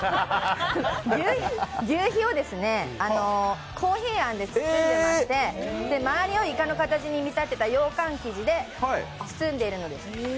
ぎゅうひをコーヒーあんで包んでまして、まわりをいかの形に見立てたようかん生地で包んでいます。